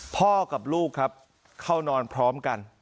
พ่อกับลูกครับเข้านอนพร้อมกัน